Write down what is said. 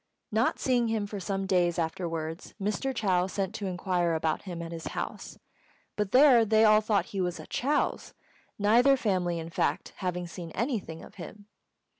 Not seeing him for some days afterwards, Mr. Chou sent to inquire about him at his house; but there they all thought he was at Chou's, neither family, in fact, having seen anything of him.